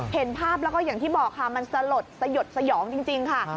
เห็นภาพแล้วก็อย่างที่บอกค่ะมันสลดสยดสยองจริงค่ะ